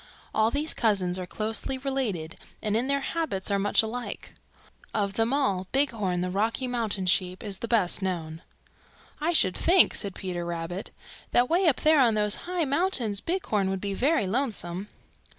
All these cousins are closely related and in their habits are much alike. Of them all, Bighorn the Rocky Mountain Sheep is the best known." "I should think," said Peter Rabbit, "that way up there on those high mountains Bighorn would be very lonesome."